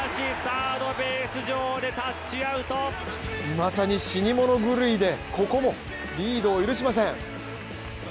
まさに死に物狂いでここもリードを許しません。